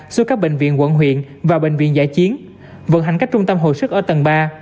xuống các bệnh viện quận huyện và bệnh viện giải chiến vận hành cách trung tâm hồi sức ở tầng ba